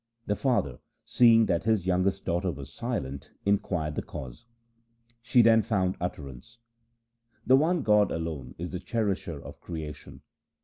The father, seeing that his youngest daughter was silent, inquired the cause. She then found utterance :' The one God alone is the Cherisher of creation.